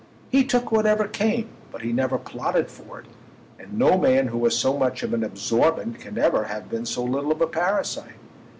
He took whatever came, but he never plotted for it, and no man who was so much of an absorbent can ever have been so little of a parasite.